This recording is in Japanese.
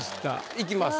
いきます。